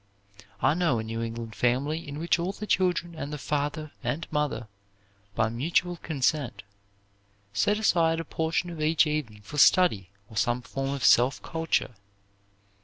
I know a New England family in which all the children and the father and mother, by mutual consent, set aside a portion of each evening for study or some form of self culture.